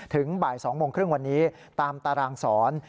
ถึงบ่าย๒โมงครึ่งวันนี้ตามตารางสอน